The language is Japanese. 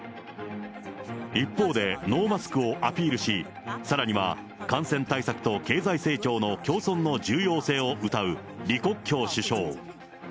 一方で、ノーマスクをアピールし、さらには感染対策と経済成長の共存の重要性をうたう李克強首相。